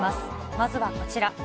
まずはこちら。